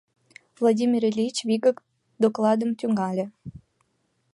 Владимир Ильич вигак докладым тӱҥале.